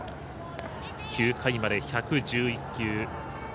９回まで１１１球。